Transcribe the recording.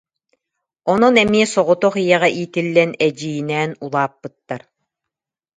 Онон эмиэ соҕотох ийэҕэ иитиллэн эдьиийинээн улааппыттар